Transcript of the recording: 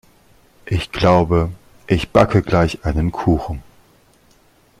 Ich glaube, ich backe gleich einen Kuchen.